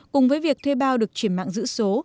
cùng với việc thuê bao được chuyển mạng giữ số